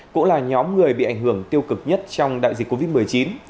cũng là nhóm người bị ảnh hưởng tiêu cực nhất trong đại dịch covid một mươi chín